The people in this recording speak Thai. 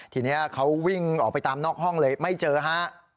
ทีนี้เขาวิ่งออกไปตามนอกห้องเลยไม่เจอฮะ